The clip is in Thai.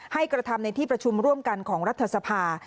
กระทำในที่ประชุมร่วมกันของรัฐสภา